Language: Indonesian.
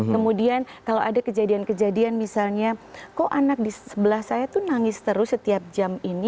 kemudian kalau ada kejadian kejadian misalnya kok anak di sebelah saya tuh nangis terus setiap jam ini